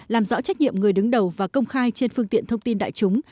làm rõ trách nhiệm người đứng đầu và công khai trên phương tiện thông tin đại chúng